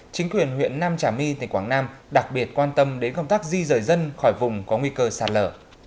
chính quyền huyện nam trà my tỉnh quảng nam đặc biệt quan tâm đến công tác di rời dân khỏi vùng có nguy cơ sạt lở